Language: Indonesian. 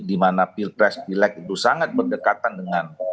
dimana pilkres pilek itu sangat berdekatan dengan